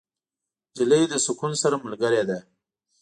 نجلۍ له سکون سره ملګرې ده.